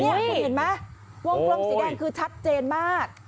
นี่คุณเห็นไหมวงกลมสีแดงคือชัดเจนมาก